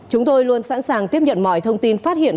chúng tôi luôn sẵn sàng tiếp nhận mọi thông tin phát hiện